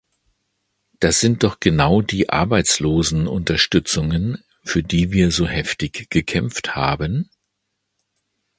Das sind doch genau die Arbeitslosenunterstützungen, für die wir so heftig gekämpft haben?